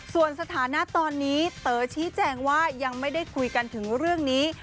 ส่วนสถานะตอนนี้เต๋อชี้แจงว่ายังไม่ได้คุยกันถึงเรื่องนี้